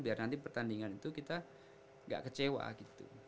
biar nanti pertandingan itu kita nggak kecewa gitu